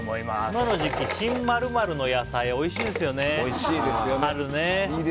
今の時期、新○○の野菜おいしいですよね、春ね。